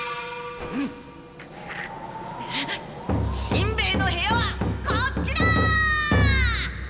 しんべヱの部屋はこっちだ！